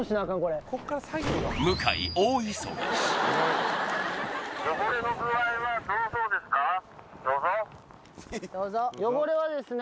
向井大忙し汚れはですね